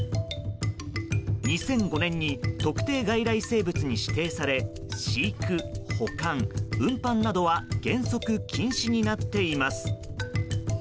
２００５年に特定外来生物に指定され飼育・保管・運搬などは原則禁止になっています。